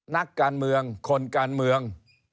นักการเมืองคนการเมือง